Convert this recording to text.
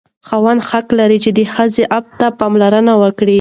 خاوند حق لري چې د ښځې عفت ته پاملرنه وکړي.